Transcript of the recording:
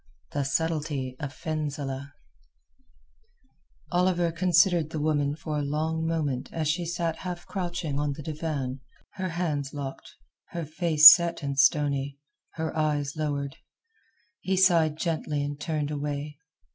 THE SUBTLETY OF FENZILEH Oliver considered the woman for a long moment as she sat half crouching on the divan, her hands locked, her face set and stony, her eyes lowered. He sighed gently and turned away.